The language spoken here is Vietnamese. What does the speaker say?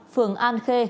phường an khê